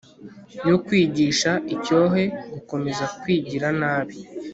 yo kwigisha icyohe gukomeza kwigira nabi